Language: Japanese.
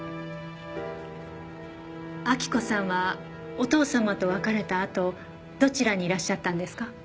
明子さんはお父様と別れたあとどちらにいらっしゃったんですか？